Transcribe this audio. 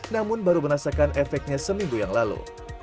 namun baru merasakan efeknya seminggu yang lalu